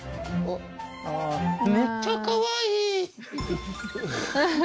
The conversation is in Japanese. めっちゃかわいい！